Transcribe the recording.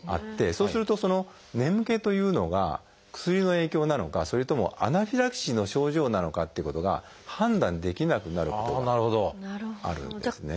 そうするとその眠気というのが薬の影響なのかそれともアナフィラキシーの症状なのかっていうことが判断できなくなることがあるんですね。